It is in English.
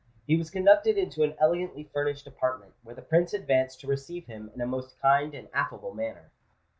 He was conducted into an elegantly furnished apartment, where the Prince advanced to receive him in a most kind and affable manner.